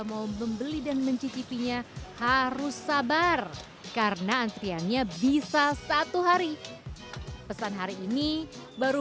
mau membeli dan mencicipinya harus sabar karena antriannya bisa satu hari pesan hari ini baru